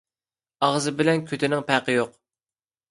ئاغزى بىلەن كۆتىنىڭ پەرقى يوق.